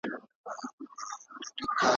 ټولنیز چلند تل یو ډول نه پاتې کېږي.